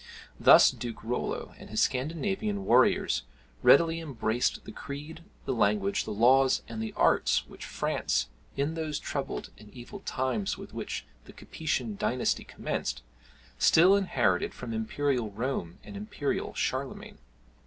Thus Duke Rollo and his Scandinavian warriors readily embraced the creed, the language, the laws, and the arts which France, in those troubled and evil times with which the Capetian dynasty commenced, still inherited from imperial Rome and imperial Charlemagne.